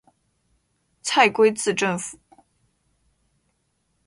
蔡圭字正甫。